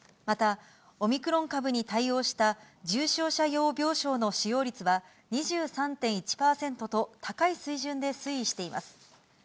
またオミクロン株に対応した重症者用病床の使用率は２３．１％と、高い水準で推移しています。